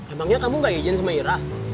emangnya kamu gak izin sama ira